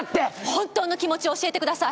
本当の気持ちを教えてください。